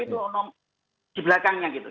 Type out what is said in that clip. itu oknum di belakangnya gitu